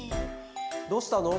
どうしたの？